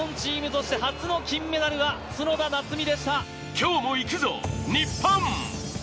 今日もいくぞ、日本！